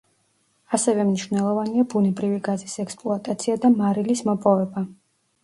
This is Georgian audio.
ასევე მნიშვნელოვანია ბუნებრივი გაზის ექსპლუატაცია და მარილის მოპოვება.